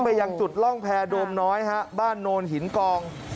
ยังจุดร่องแพรโดมน้อยฮะบ้านโนนหินกอง